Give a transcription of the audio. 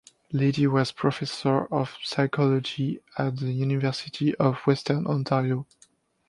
Liddy was Professor of Psychology at the University of Western Ontario.